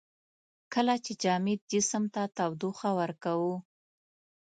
کله چې جامد جسم ته تودوخه ورکوو.